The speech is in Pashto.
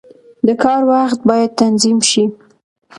• د کار وخت باید تنظیم شي.